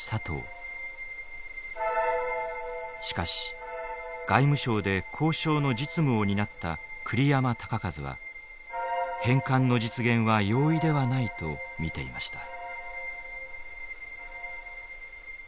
しかし外務省で交渉の実務を担った栗山尚一は返還の実現は容易ではないと見ていました。